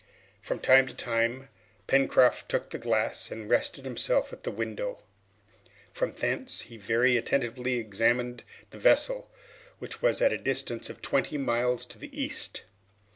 From time to time Pencroft took the glass and rested himself at the window. From thence he very attentively examined the vessel, which was at a distance of twenty miles to the east.